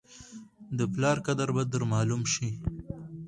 د پلار قدر به در معلوم شي !